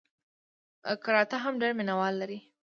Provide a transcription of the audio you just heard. کراته هم ډېر مینه وال لري.